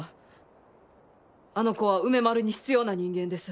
あの子は梅丸に必要な人間です。